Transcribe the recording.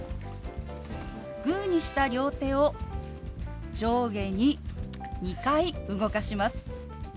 グーにした両手を上下に２回動かします。